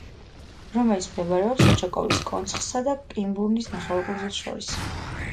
რომელიც მდებარეობს ოჩაკოვის კონცხსა და კინბურნის ნახევარკუნძულს შორის.